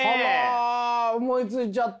あら思いついちゃった！